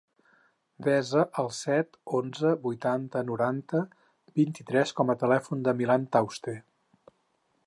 Desa el set, onze, vuitanta, noranta, vint-i-tres com a telèfon del Milan Tauste.